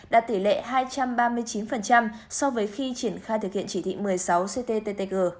đạt tỷ lệ hai trăm ba mươi chín so với khi triển khai thực hiện chỉ thị một mươi sáu cttg